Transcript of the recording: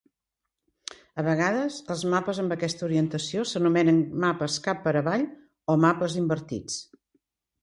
A vegades, els mapes amb aquesta orientació s'anomenen mapes cap per avall o mapes invertits.